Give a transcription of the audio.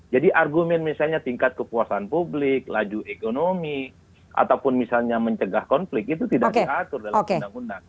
jadi argumen misalnya tingkat kepuasan publik laju ekonomi ataupun misalnya mencegah konflik itu tidak diatur dalam undang undang